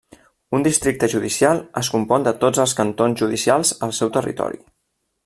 Un districte judicial es compon de tots els cantons judicials al seu territori.